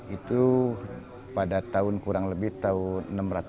itu pada tahun kurang lebih tahun enam ratus